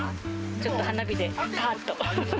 ちょっと花火でぱーっと。